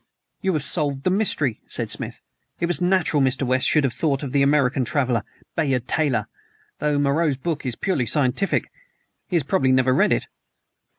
"You have solved the mystery," said Smith. "It was natural Mr. West should have thought of the American traveler, Bayard Taylor, though. Moreau's book is purely scientific. He has probably never read it."